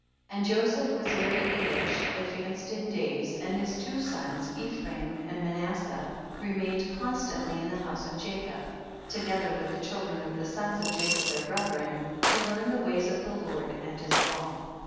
35. And Joseph was very aged, advanced in days, and his two sons, Ephraim and Manasseh, remained constantly in the house of Jacob, to gether with the children of the sons of Jacob their brethren, to learn the ways of the Lord and his law.